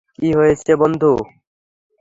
কি হয়েছে বন্ধু?